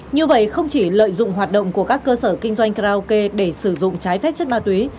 như vậy không chỉ lợi dụng hoạt động của các cơ sở kinh doanh karaoke để sử dụng trái phép chất ma túy